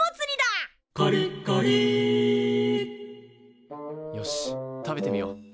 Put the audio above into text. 「カリッカリ」よし食べてみよう。